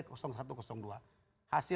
hasilnya apa yang akan terjadi